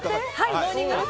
モーニング娘。